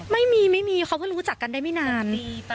ไม่มีเขาก็รู้จักกันได้ไม่นาน